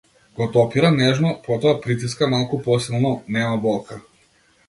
Го допира нежно, потоа притиска малку посилно, нема болка.